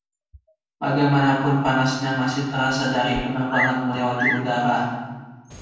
Bagaimanapun panasnya masih terasa dari penerbangan melewati udara.